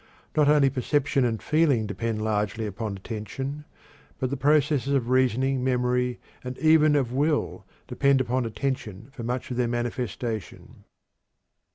Not only perception and feeling depend largely upon attention, but the processes of reasoning, memory, and even of will, depend upon attention for much of their manifestation.